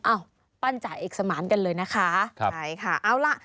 อ้าวปั้นจ่ายเอกสมาร์นกันเลยนะคะ